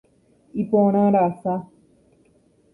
Iporãrasa.